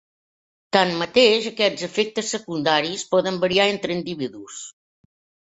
Tanmateix aquests efectes secundaris poden variar entre individus.